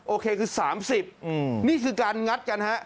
โอเคคือ๓๐นี่คือการงัดกันฮะ